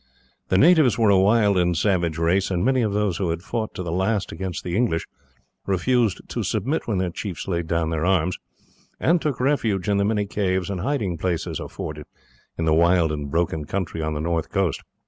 The natives were a wild and savage race, and many of those who had fought to the last against the English refused to submit when their chiefs laid down their arms, and took refuge in the many caves and hiding places afforded in the wild and broken country on the north coast.